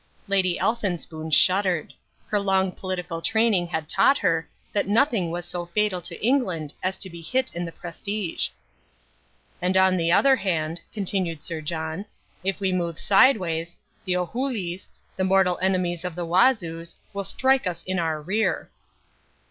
Lady Elphinspoon shuddered. Her long political training had taught her that nothing was so fatal to England as to be hit in the prestige. "And on the other hand," continued Sir John, "if we move sideways, the Ohulîs, the mortal enemies of the Wazoos, will strike us in our rear."